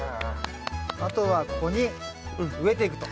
あとはここに植えていくと。